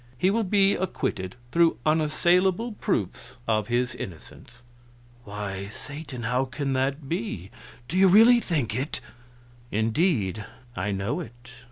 He will be acquitted, through unassailable proofs of his innocence." "Why, Satan, how can that be? Do you really think it?" "Indeed, I know it.